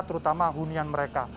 terutama hunian mereka